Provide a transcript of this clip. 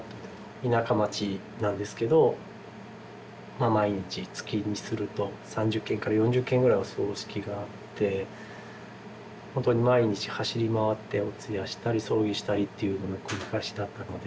田舎町なんですけどまあ毎日月にすると３０件から４０件ぐらいお葬式があってほんとに毎日走り回ってお通夜したり葬儀したりっていうのの繰り返しだったので。